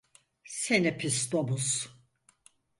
Seni pis domuz!